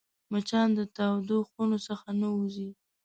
مچان د تودو خونو څخه نه وځي